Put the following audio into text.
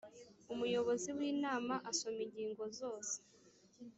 umuyobozi w inama asoma ingingo zose